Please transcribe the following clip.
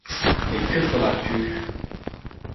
Mais que feras-tu ?